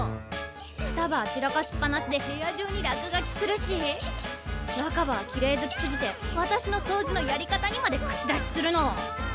双葉は散らかしっぱなしで部屋中に落書きするし若葉はきれい好きすぎて私のそうじのやり方にまで口出しするの！